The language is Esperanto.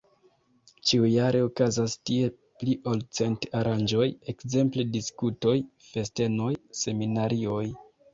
Ĉiujare okazas tie pli ol cent aranĝoj, ekzemple diskutoj, festenoj, seminarioj.